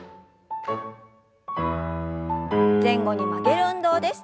前後に曲げる運動です。